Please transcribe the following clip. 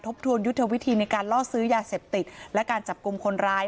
ทวนยุทธวิธีในการล่อซื้อยาเสพติดและการจับกลุ่มคนร้าย